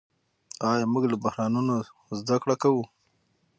آیا موږ له بحرانونو زده کړه کوو؟